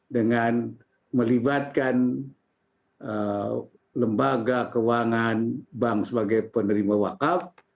dengan melibatkan lembaga keuangan bank sebagai penerima wakaf